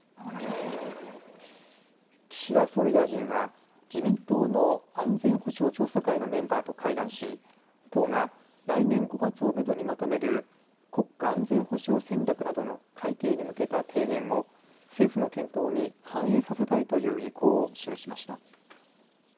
岸田総理大臣は自民党の安全保障調査会のメンバーと会談し党が来年５月をめどにまとめる国家安全保障戦略などの改定に向けた提言を政府の検討に反映させたいという意向を示しました。